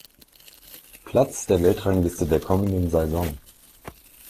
Platz der Weltrangliste der kommenden Saison.